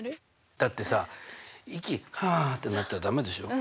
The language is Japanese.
だってさ息はってなっちゃ駄目でしょう。